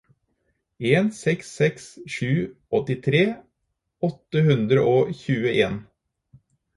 en seks seks sju åttitre åtte hundre og tjueen